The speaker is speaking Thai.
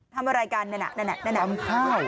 ทำอะไรกันน่ะน่ะน่ะน่ะ